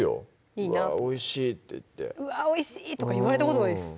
「うわっおいしい！」っていって「うわっおいしい」とか言われたことないです